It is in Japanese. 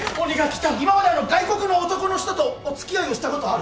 今まで外国の男の人とおつきあいをしたことある？